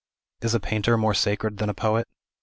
Is a painter more sacred than a poet?